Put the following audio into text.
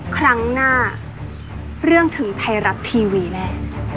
ครั้งหน้าเรื่องถึงไทยรัฐทีวีแน่